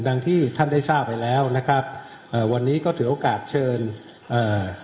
ที่ท่านได้ทราบไปแล้วนะครับเอ่อวันนี้ก็ถือโอกาสเชิญเอ่อ